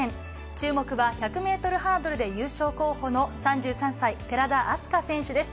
注目は１００メートルハードルで優勝候補の３３歳、寺田明日香選手です。